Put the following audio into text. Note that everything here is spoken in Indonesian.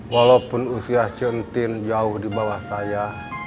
walaupun usia chentin jauh di bawah saya